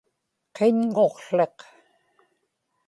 qiñŋuqłiq